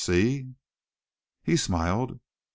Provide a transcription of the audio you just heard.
See?" He smiled.